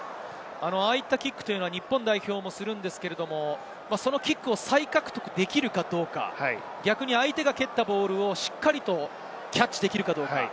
ああいったキックは日本代表もするのですが、そのキックを再獲得できるかどうか、相手が蹴ったボールをしっかりとキャッチできるかどうか。